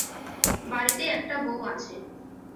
বাড়িতে একটা বৌ আছে।